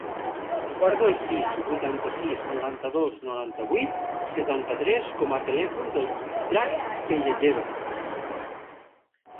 Guarda el sis, vuitanta-sis, noranta-dos, noranta-vuit, setanta-tres com a telèfon del Drac Pellejero.